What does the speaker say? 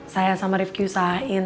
saya sama rifki usahain